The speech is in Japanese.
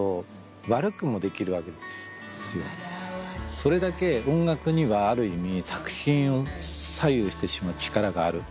それだけ音楽にはある意味作品を左右してしまう力がある。